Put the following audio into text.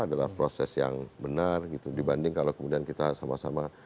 adalah proses yang benar gitu dibanding kalau kemudian kita sama sama